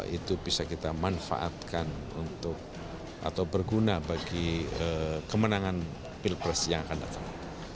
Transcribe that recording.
itu bisa kita manfaatkan untuk atau berguna bagi kemenangan pilpres yang akan datang